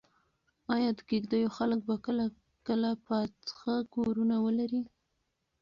ایا د کيږديو خلک به کله پاخه کورونه ولري؟